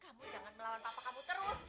kamu jangan melawan papa kamu terus